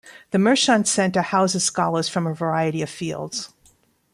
The Mershon Center houses scholars from a variety of fields.